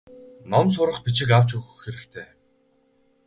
Ном сурах бичиг авч өгөх хэрэгтэй.